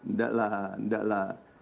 nggak lah nggak lah